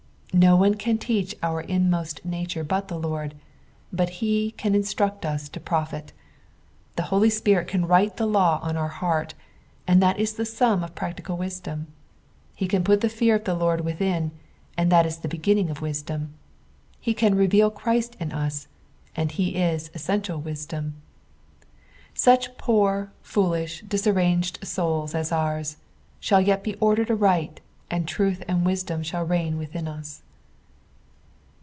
No one can teach our inoermost nature taut the Lord, but he can instruct ns to profit. The Holy Kpicit can write the law on our heart, and that is the sum of pmctical wisdom. He can put the fear of the Lord withia, and that ia the beginning of wisdom. IIu can reveal Christ in us, and he is essential wisdom. Sucn poor, foolish, dis arranged souls as ours, shall yet be ordered aright, and truth and wisdom shall reign within us.